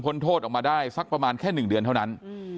โทษออกมาได้สักประมาณแค่๑เดือนเท่านั้น